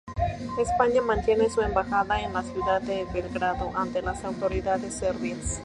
España mantiene su embajada en la ciudad de Belgrado ante las autoridades serbias.